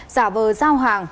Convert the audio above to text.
giả vờ giao hàng